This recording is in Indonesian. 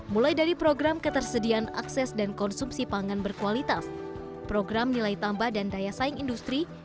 mulai dari program ketersediaan akses dan konsumsi pangan berkualitas program nilai tambah dan daya saing industri